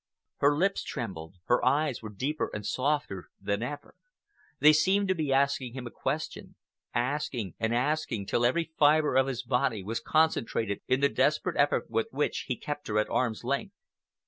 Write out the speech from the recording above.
Her lips trembled, her eyes were deeper and softer than ever. They seemed to be asking him a question, asking and asking till every fibre of his body was concentrated in the desperate effort with, which he kept her at arm's length.